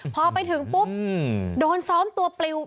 พอไปถึงปุ๊บโดนซ้อมตัวปลิว